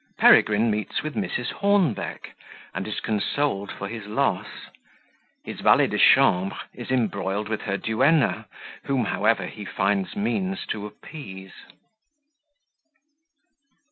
Peregrine meets with Mrs. Hornbeck, and is consoled for his Loss His Valet de chambre is embroiled with her Duenna, whom, however, he finds means to appease.